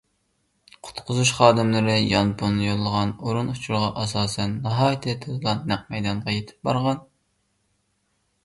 قۇتقۇزۇش خادىملىرى يانفون يوللىغان ئورۇن ئۇچۇرىغا ئاساسەن، ناھايىتى تېزلا نەق مەيدانغا يېتىپ بارغان.